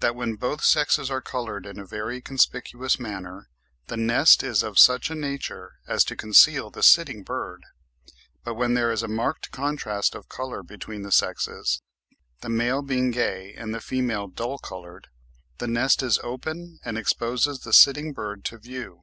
that when both sexes are coloured in a very conspicuous manner, the nest is of such a nature as to conceal the sitting bird; but when there is a marked contrast of colour between the sexes, the male being gay and the female dull coloured, the nest is open and exposes the sitting bird to view.